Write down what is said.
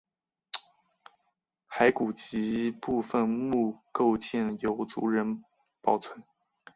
骸骨及部分墓构件由族人保存。